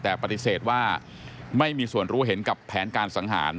แต่ปฏิเสธว่าไม่มีส่วนรู้เห็นกับแผนการสังหาร